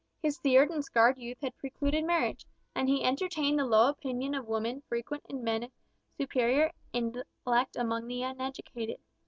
His seared and scarred youth had precluded marriage, and he entertained the low opinion of women frequent in men of superior intellect among the uneducated.